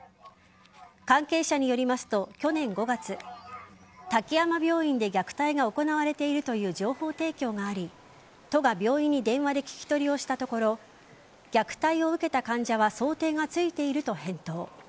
関係者によりますと去年５月滝山病院で虐待が行われているという情報提供があり都が病院に聞き取りを行ったところ虐待を受けた患者は想定がついていると返答。